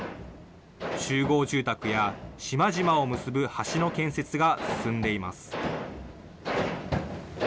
集合住宅や、島々を結ぶ橋の建設が進んでいます。